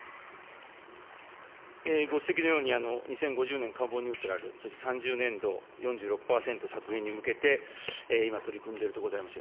ご指摘のように、２０５０年カーボンニュートラル、そして３０年度４６％削減に向けて、今、取り組んでいるところでございます。